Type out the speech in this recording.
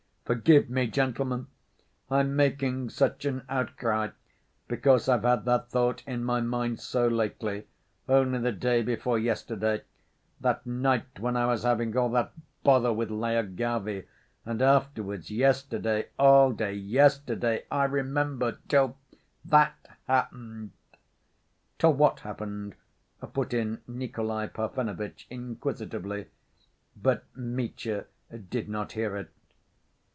Forgive me, gentlemen, I'm making such an outcry because I've had that thought in my mind so lately, only the day before yesterday, that night when I was having all that bother with Lyagavy, and afterwards yesterday, all day yesterday, I remember, till that happened ..." "Till what happened?" put in Nikolay Parfenovitch inquisitively, but Mitya did not hear it.